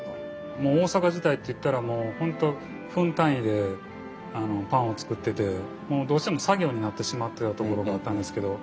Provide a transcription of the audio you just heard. もう大阪時代といったらもう本当分単位でパンを作っててもうどうしても作業になってしまってたところがあったんですけど。